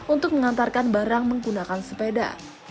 untuk mengantarkan barang menggunakan sepeda